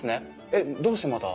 えっどうしてまた？